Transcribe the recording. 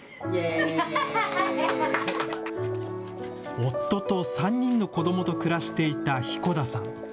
夫と３人の子どもと暮らしていた彦田さん。